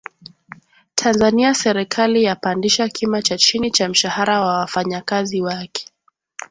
Tanzania Serikali yapandisha kima cha chini cha mshahara wa wafanyakazi wake